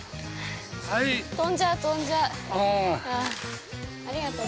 飛んじゃう、飛んじゃう。